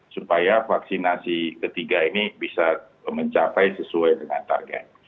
supaya vaksinasi ketiga ini bisa mencapai sesuai dengan target